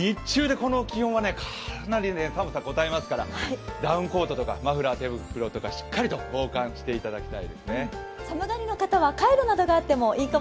日中でこの気温はかなり寒さこたえますからダウンコートとかマフラー、手袋とかしっかり防寒してください。